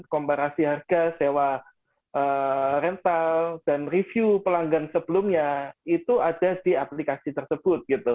komparasi harga sewa rental dan review pelanggan sebelumnya itu ada di aplikasi tersebut gitu